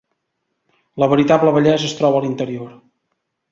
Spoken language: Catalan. La veritable bellesa es troba a l'interior.